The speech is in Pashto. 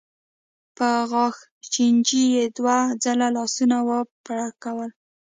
په غاښچيچي يې دوه ځله لاسونه وپړکول.